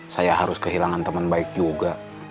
saya harus kehilangan teman baik juga